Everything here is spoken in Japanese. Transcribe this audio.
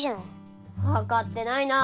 わかってないなあ。